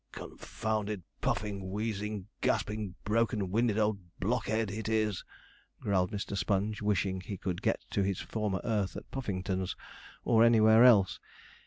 'Confounded, puffing, wheezing, gasping, broken winded old blockhead it is!' growled Mr. Sponge, wishing he could get to his former earth at Puffington's, or anywhere else.